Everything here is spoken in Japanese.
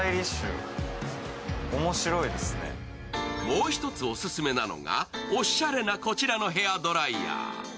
もう一つオススメなのがおしゃれなこちらのヘアドライヤー。